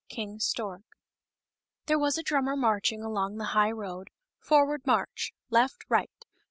ijHERE was a drummer marching along the high road — forward march !— left, right